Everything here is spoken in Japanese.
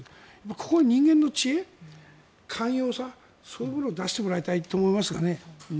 ここには人間の知恵、寛容さそういうものを出してもらいたいと思いますがね。